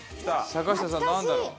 坂下さんなんだろう？